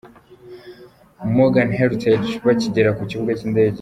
Mrgan Hertage bakigera ku kibuga cy'indege.